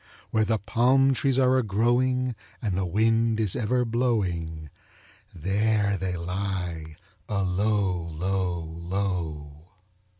Where the palm trees are a growing, and the wind is ever blowing, There they lie alow, low, low.